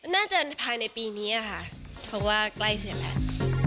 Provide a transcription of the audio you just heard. น่าจะภายในปีนี้ค่ะเพราะว่าใกล้เสร็จแล้ว